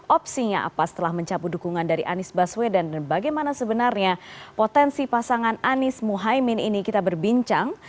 opsinya apa setelah mencabut dukungan dari anies baswedan dan bagaimana sebenarnya potensi pasangan anies muhaymin ini kita berbincang